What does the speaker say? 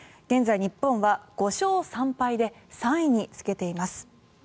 現在、日本は５勝３敗で３位につけています。